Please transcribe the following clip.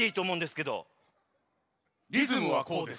リズムはこうです。